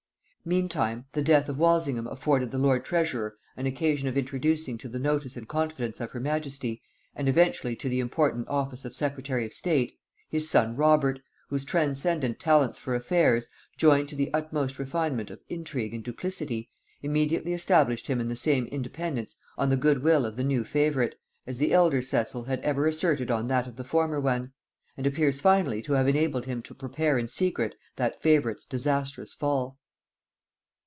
Meantime, the death of Walsingham afforded the lord treasurer an occasion of introducing to the notice and confidence of her majesty, and eventually to the important office of secretary of state, his son Robert, whose transcendent talents for affairs, joined to the utmost refinement of intrigue and duplicity, immediately established him in the same independence on the good will of the new favorite, as the elder Cecil had ever asserted on that of the former one; and appears finally to have enabled him to prepare in secret that favorite's disastrous fall.